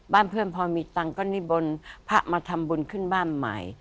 บ้านเพื่อนพอมีตังค์ก็นิมนต์พระมาทำบุญขึ้นบ้านใหม่